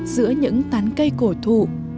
giữa những tán cây cổ thụ